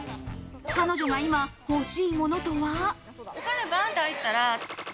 彼女は今欲しいものとは。